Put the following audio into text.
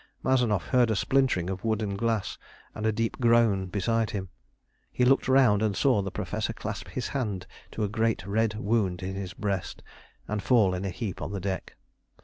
Mazanoff heard a splintering of wood and glass, and a deep groan beside him. He looked round and saw the Professor clasp his hand to a great red wound in his breast, and fall in a heap on the deck.